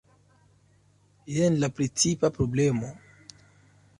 Jen la precipa problemo.